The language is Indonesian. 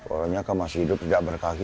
orangnya kan masih hidup tidak berkaki